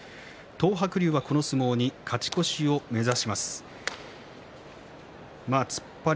東白龍は、この一番に勝ち越しを目指します。